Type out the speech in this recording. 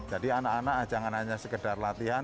jadi anak anak jangan hanya sekedar latihan